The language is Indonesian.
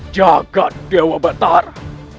jagad dewa batara